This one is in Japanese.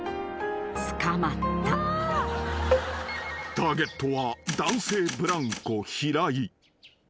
［ターゲットは男性ブランコ平井］